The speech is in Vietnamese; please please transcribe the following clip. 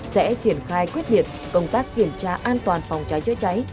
sẽ triển khai quyết liệt công tác kiểm tra an toàn phòng cháy chữa cháy